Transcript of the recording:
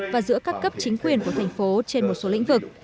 và giữa các cấp chính quyền của thành phố trên một số lĩnh vực